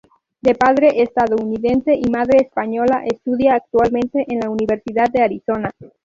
De padre estadounidense y madre española, estudia actualmente en la Universidad de Arizona.